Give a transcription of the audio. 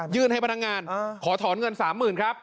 ยืนให้พนักงานเออขอถอนเงิน๓๐๐๐๐ครับ